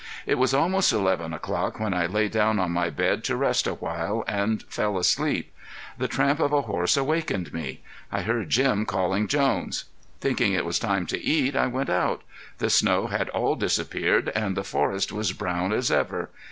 It was almost eleven o'clock when I lay down on my bed to rest awhile and fell asleep. The tramp of a horse awakened me. I heard Jim calling Jones. Thinking it was time to eat I went out. The snow had all disappeared and the forest was brown as ever.